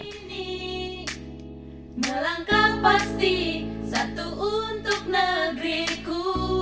ini melangkah pasti satu untuk negeriku